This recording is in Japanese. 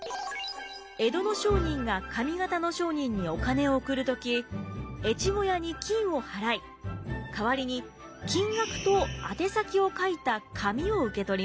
江戸の商人が上方の商人にお金を送る時越後屋に金を払い代わりに金額と宛先を書いた紙を受け取ります。